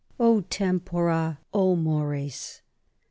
O tempora, o mores!